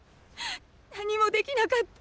何もできなかった。